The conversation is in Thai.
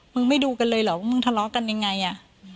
ไม่ดูกันเลยเหรอว่ามึงทะเลาะกันยังไงอ่ะ